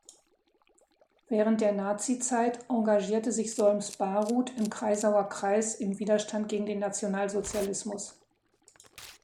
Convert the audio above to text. Während der Nazi-Zeit engagierte sich Solms-Baruth im Kreisauer Kreis im Widerstand gegen den Nationalsozialismus.